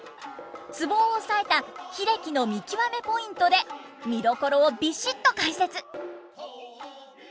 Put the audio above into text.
ツボを押さえた英樹の見きわめポイントで見どころをビシッと解説。